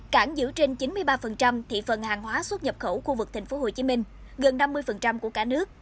cảng giữ trên chín mươi ba thị phần hàng hóa xuất nhập khẩu khu vực tp hcm gần năm mươi của cả nước